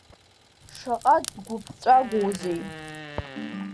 Шаҟа дгәыԥҵәагоузеи?